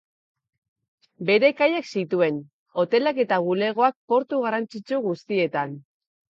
Bere kaiak zituen, hotelak eta bulegoak portu garrantzitsu guztietan.